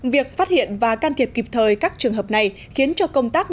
việc phát hiện và can thiệp kịp thời các trường hợp này khiến cho công tác